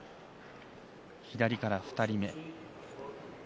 左から２人目。